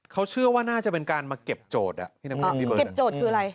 เขาเชื่อว่าน่าจะเป็นการมาเก็บโจทย์อ่ะพี่น้ำเก็บโจทย์คืออะไร